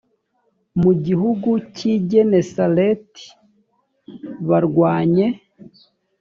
mu gihugu cy i genesareti barwanye